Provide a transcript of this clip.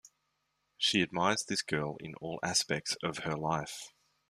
She admires this girl in all aspects of her life.